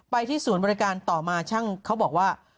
ที่ศูนย์บริการต่อมาช่างเขาบอกว่า